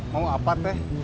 mau apa teh